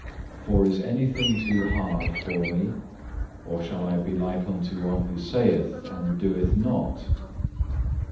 2. "For is anything too hard for Me, or shall I be like unto one who saith and doeth not?